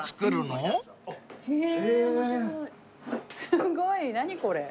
すごい何これ。